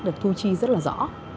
được thu chi rất là rõ